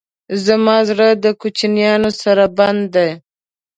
زما زړه د کوچیانو سره بند دی.